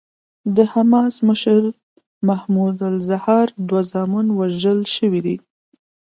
د حماس مشر محمود الزهار دوه زامن وژل شوي دي.